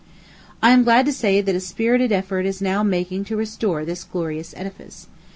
I am glad to say that a spirited effort is now making to restore this gorgeous edifice.